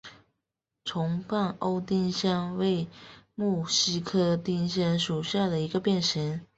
重瓣欧丁香为木犀科丁香属下的一个变型。